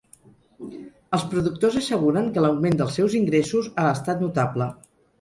Els productors asseguren que l'augment dels seus ingressos ha estat notable.